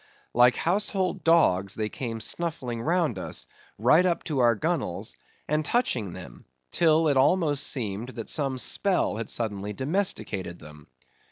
Like household dogs they came snuffling round us, right up to our gunwales, and touching them; till it almost seemed that some spell had suddenly domesticated them.